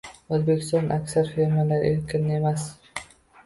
—O‘zbekistonda aksar fermerlar erkin emas.